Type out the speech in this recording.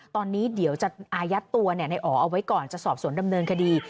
ตอนนี้เดี๋ยวจะอายัดตัวในอ๋อเอาไว้ก่อนจะสอบสวนดำเนินคดี